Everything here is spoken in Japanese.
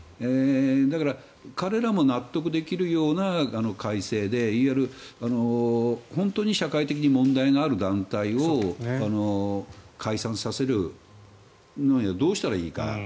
だから、彼らも納得できるような改正で本当に社会的に問題がある団体を解散させるにはどうしたらいいか。